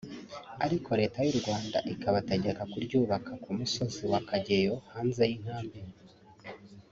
ariko Leta y’u Rwanda ikabategeka kuryubaka ku musozi wa Kageyo hanze y’inkambi